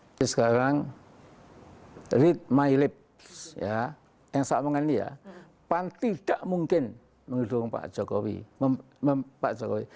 jadi sekarang read my lips yang saya omongkan ini ya pan tidak mungkin mendukung pak jokowi